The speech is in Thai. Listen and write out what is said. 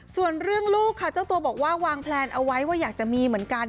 ส่วนเรื่องลูกค่ะเจ้าตัวบอกว่าวางแพลนเอาไว้ว่าอยากจะมีเหมือนกัน